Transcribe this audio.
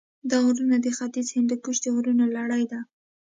دا غرونه د ختیځ هندوکش د غرونو لړۍ ده.